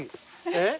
えっ？